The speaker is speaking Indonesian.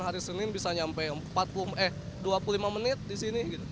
hari senin bisa nyampe dua puluh lima menit di sini